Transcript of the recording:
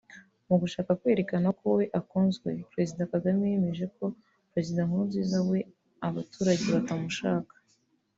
Mu gushaka kwerekana ko we akunzwe Perezida Kagame yemeje ko Perezida Nkurunziza we abaturage batamushaka